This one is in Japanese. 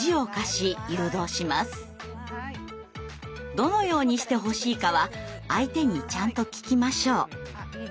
どのようにしてほしいかは相手にちゃんと聞きましょう。